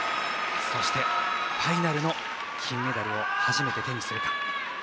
そして、ファイナルの金メダルを初めて手にするか。